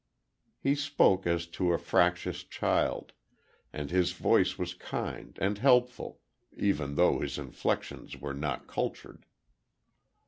He spoke as to a fractious child, and his voice was kind and helpful even though his inflections were not cultured.